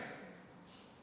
nah kita tidak tahu